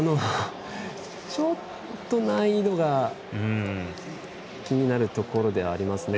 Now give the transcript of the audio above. ちょっと難易度が気になるところではありますね。